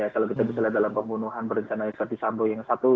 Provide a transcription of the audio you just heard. kalau kita bisa lihat dalam pembunuhan berencana verdi sambo yang satu